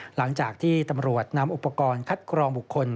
หลังจากที่ตำรวจนำอุปกรณ์คัดกรองบุคคล